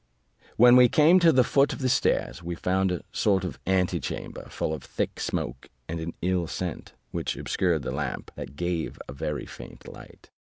When we came to the foot of the stairs, we found a sort of antechamber, full of thick smoke of an ill scent, which obscured the lamp, that gave a very faint light.